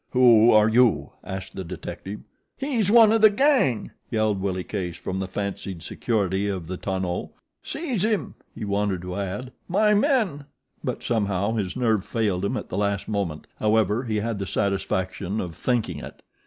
"Who are you?" asked the detective. "He's one of the gang," yelled Willie Case from the fancied security of the tonneau. "Seize him!" He wanted to add: "My men"; but somehow his nerve failed him at the last moment; however he had the satisfaction of thinking it.